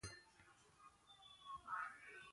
Parabéns a todos que fazem aniversário neste dia.